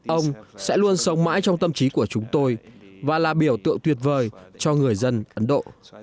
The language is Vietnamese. ông sẽ luôn sống mãi trong tâm trí của chúng tôi và là biểu tượng tuyệt vời cho người dân ấn độ